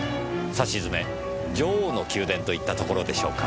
さしずめ「女王の宮殿」と言ったところでしょうか。